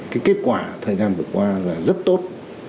cái kết quả thời gian vừa qua là rất tốt